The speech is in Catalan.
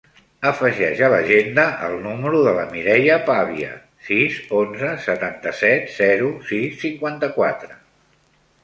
Afegeix a l'agenda el número de la Mireia Pavia: sis, onze, setanta-set, zero, sis, cinquanta-quatre.